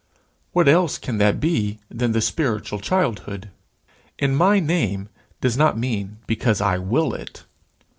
What else can that be than the spiritual childhood? In my name does not mean because I will it.